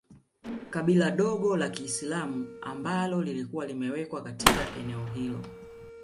Kabila dogo la kiislamu ambalo lilikuwa limewekwa katika eneo hilo